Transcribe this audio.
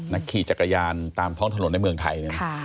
นักขี่จักรยานตามท้องถนนในเมืองไทย